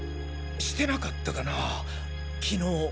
してなかったかな昨日。